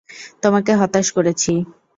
তোমাকে হতাশ করেছি।